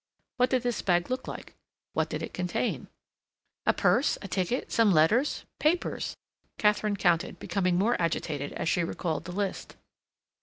What did this bag look like? What did it contain? "A purse—a ticket—some letters, papers," Katharine counted, becoming more agitated as she recalled the list.